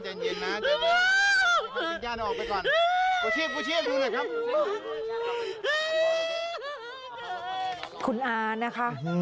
ใจเย็นใจเย็นใจเย็นใจเย็นใจเย็นใจเย็นใจเย็นใจเย็นใจเย็น